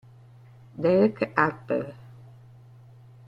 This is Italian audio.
Derek Harper